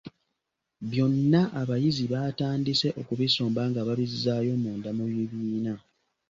Byonna abayizi baatandise okubisomba nga babizzaayo munda mu bibiina.